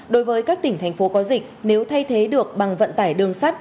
đối với các tỉnh thành phố có dịch nếu thay thế được bằng vận tải đường sắt